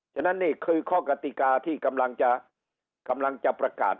ฉะนั้นนี่คือข้อกติกาที่กำลังจะประกาศ